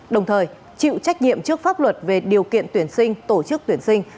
đồng thời chịu trách nhiệm trước pháp luật về điều kiện tuyển sinh tổ chức tuyển sinh